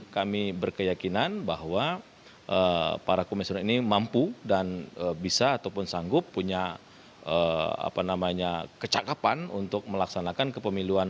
kami berkeyakinan bahwa para komisioner ini mampu dan bisa ataupun sanggup punya kecakapan untuk melaksanakan kepemiluan